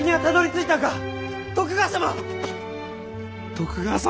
徳川様